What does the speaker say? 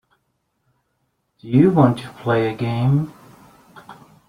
Do you want to play a game.